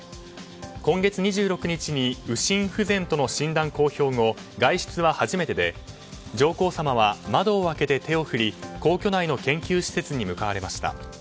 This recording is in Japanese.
今月２６日に右心不全との診断公表後外出は初めてで、上皇さまは窓を開けて手を振り皇居内の研究施設に向かわれました。